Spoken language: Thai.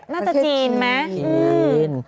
น่าจะจีนแม่